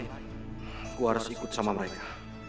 aku harus ikut sama mereka